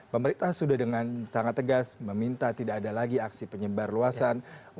pemerintah sudah dengan sangat tegas meminta tidak ada lagi aksi penyebar luasan